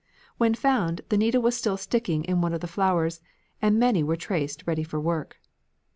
When found, the needle was still sticking in one of the flowers, and many were traced ready for work.